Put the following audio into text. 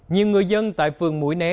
nhiều người dân tại phường mũi né